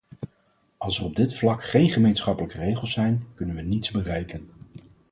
Als er op dit vlak geen gemeenschappelijke regels zijn, kunnen we niets bereiken.